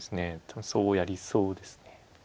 多分そうやりそうですね。